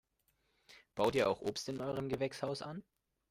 Baut ihr auch Obst in eurem Gewächshaus an?